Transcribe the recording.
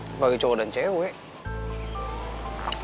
sebagai cowok dan cewek